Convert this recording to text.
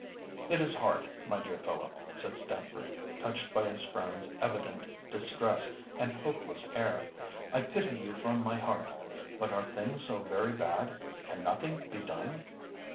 "It is hard, my dear fellow," said Stamford, touched by his friend's evident distress and hopeless air. "I pity you from my heart. But are things so very bad? Can nothing be done?"